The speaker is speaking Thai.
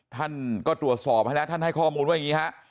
ท่านก็ตรวจสอบให้แล้วท่านให้ข้อมูลว่าอย่างนี้ฮะ